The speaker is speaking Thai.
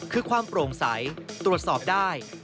คือความโปร่งใสตรวจสอบได้